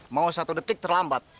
mau satu detik terlambat